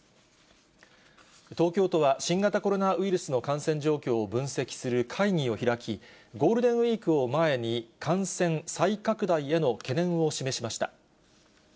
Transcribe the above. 東京都は、新型コロナウイルスの感染状況を分析する会議を開き、ゴールデンウィークを前に、感染再拡大への懸念を示しました。